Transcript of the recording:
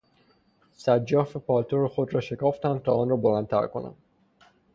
سجاف پالتو خود را شکافتم تا آن را بلندتر کنم.